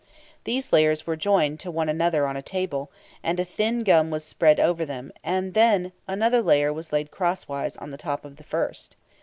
These layers were joined to one another on a table, and a thin gum was spread over them, and then another layer was laid crosswise on the top of the first.